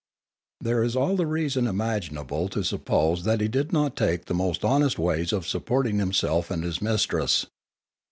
There is all the reason imaginable to suppose that he did not take the most honest ways of supporting himself and his mistress.